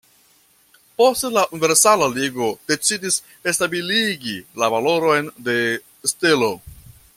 Poste la Universala Ligo decidis stabiligi la valoron de stelo.